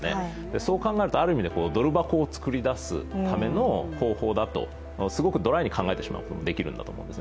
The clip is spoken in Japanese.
そう考えると、ある意味でドル箱を作り出すための方法だとすごくドライに考えてしまうこともできるんだと思うんです。